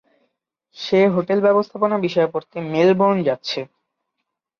সে hotel ব্যবস্থাপনা বিষয়ে পড়তে মেলবোর্ন যাচ্ছে।